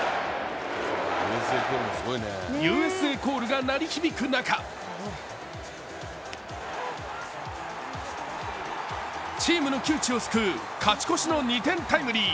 ＵＳＡコールが鳴り響く中チームの窮地を救う勝ち越しの２点タイムリー。